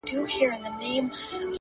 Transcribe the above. عاجزي د دروند شخصیت نښه ده,